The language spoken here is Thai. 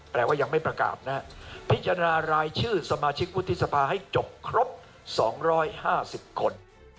แปลว่ายังไม่ประกาศนะฮะพิจารณารายชื่อสมาชิกวุฒิสภาให้จบครบ๒๕๐คน